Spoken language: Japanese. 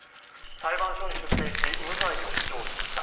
裁判所に出廷し、無罪を主張しました。